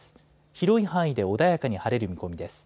広い範囲で穏やかに晴れる見込みです。